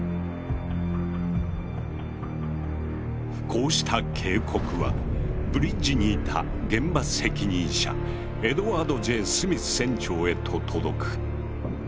こうした警告はブリッジにいた現場責任者エドワード・Ｊ・スミス船長へと届く。